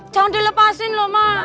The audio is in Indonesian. jangan dilepasin loh mak